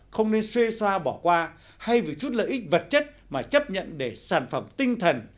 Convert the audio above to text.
không nên xuê xoa bỏ qua hay vì chút lợi ích vật chất mà chấp nhận để sản phẩm tinh thần